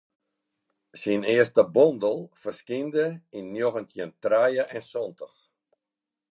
Syn earste bondel ferskynde yn njoggentjin trije en santich.